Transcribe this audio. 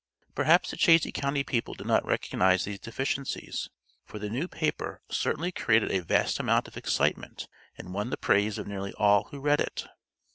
Perhaps the Chazy County people did not recognize these deficiencies, for the new paper certainly created a vast amount of excitement and won the praise of nearly all who read it.